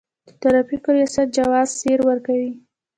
د ترافیکو ریاست جواز سیر ورکوي